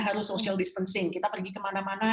harus social distancing kita pergi kemana mana